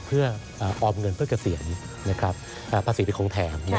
เพื่อออมเงินเพื่อเกษียณประสิทธิ์เป็นคงแถม